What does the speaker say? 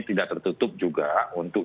tidak tertutup juga untuk